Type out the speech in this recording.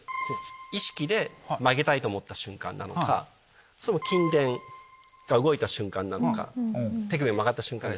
意識で曲げたいと思った瞬間なのか筋電が動いた瞬間なのか手首が曲がった瞬間ですね。